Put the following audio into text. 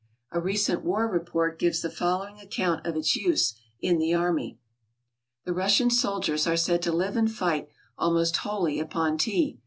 A recent war report gives the following account of its use in the army. "The Russian soldiers are said to live and fight almost wholly upon tea.